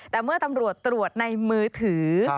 แต่เมื่อตำรวจตรวจในมือถือ